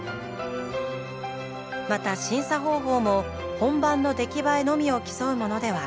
また審査方法も本番の出来栄えのみを競うものではありません。